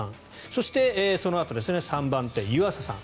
そして、そのあと３番手、湯浅さん。